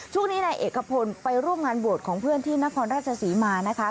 ช่วงนี้นายเอกพลไปร่วมงานบวชของเพื่อนที่นครราชศรีมานะคะ